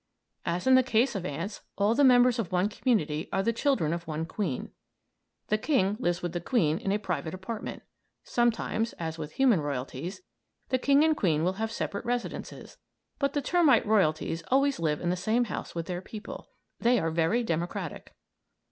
As in the case of ants, all the members of one community are the children of one queen. The king lives with the queen in a private apartment. Sometimes as with human royalties the king and queen will have separate residences, but the termite royalties always live in the same house with their people; they are very democratic.